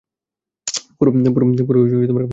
পুরো খাসা মাল বানিয়েছো।